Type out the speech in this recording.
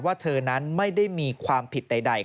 เธอนั้นไม่ได้มีความผิดใด